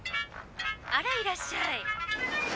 あらいらっしゃい。